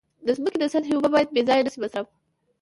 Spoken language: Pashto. د ځمکې د سطحې اوبه باید بې ځایه مصرف نشي.